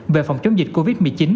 về phòng chống dịch covid một mươi chín